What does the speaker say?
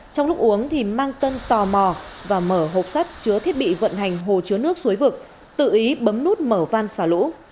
trong lúc uống thì mang tân sò mò và mở hộp sắt chứa thiết bị vận hành hồ chứa nước suối vực tự ý bấm nút mở van xả lũ